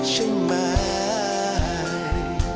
ใช่ไหม